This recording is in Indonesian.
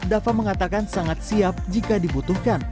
dava mengatakan sangat siap jika dibutuhkan